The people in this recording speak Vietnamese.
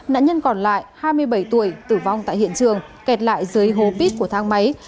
nạn nhân còn lại hai mươi bảy tuổi tử vong tại hiện trường kẹt lại dưới hố bít của thang máy